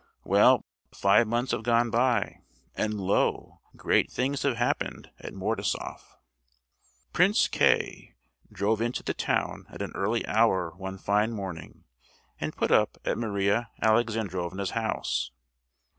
Well, five months have gone by, and lo! great things have happened at Mordasoff! Prince K—— drove into the town at an early hour one fine morning, and put up at Maria Alexandrovna's house!